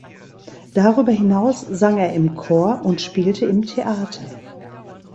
Darüber hinaus sang er im Chor und spielte im Theater.